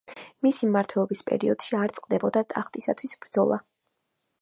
მისი მმართველობის პერიოდში არ წყდებოდა ტახტისათვის ბრძოლა.